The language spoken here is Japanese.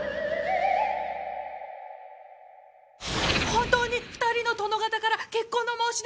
本当に２人の殿方から結婚の申し出が！？